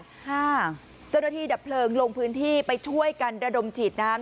เจ้าหน้าที่ดับเพลิงลงพื้นที่ไปช่วยกันระดมฉีดน้ำ